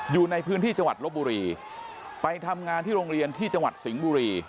อยู่ในพื้นที่จังหวัดลบบุรีไปทำงานที่โรงเรียนที่จังหวัดสิงห์บุรี